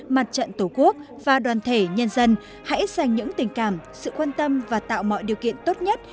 mặt trận tổ quốc và đoàn thể nhân dân hãy dành những tình cảm sự quan tâm và tạo mọi điều kiện tốt nhất